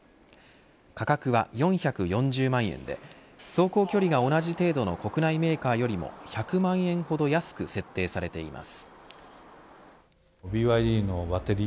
価格は４４０万円で走行距離が同じ程度の国内メーカーよりも１００万円ほど安く設定されています。